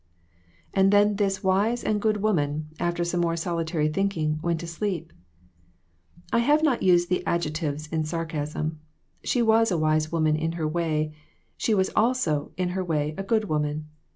And then this wise and good woman, after some more solitary thinking, went to sleep. I have not used the adjectives in sarcasm. She was a wise woman in her way ; she was also, it her way, a good woman.